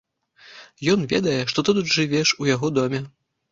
Ён ведае, што ты тут жывеш у яго доме.